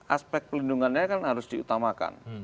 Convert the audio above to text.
aspek pelindungannya kan harus diutamakan